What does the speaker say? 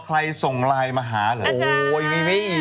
ส่งไลน์มาหาเหรอ